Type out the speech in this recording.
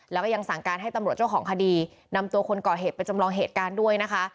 แล้วก็ยังสั่งการให้ตำรวจเจ้าของคดีนำตัวคนก่อเหตุไปจำลองเหตุการณ์ด้วยนะคะ